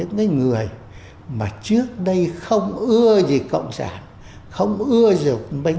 và làm cho những người mà trước đây không ưa gì cộng sản không ưa gì hội quân binh